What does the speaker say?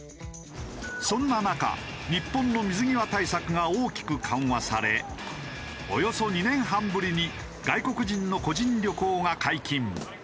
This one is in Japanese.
そんな中日本の水際対策が大きく緩和されおよそ２年半ぶりに外国人の個人旅行が解禁。